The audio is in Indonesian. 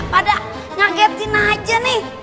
pada ngagetin aja nih